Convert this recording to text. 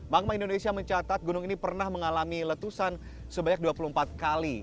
bank man indonesia mencatat gunung ini pernah mengalami letusan sebanyak dua puluh empat kali